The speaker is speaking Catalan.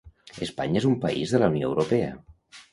Espanya és un país de la Unió Europea.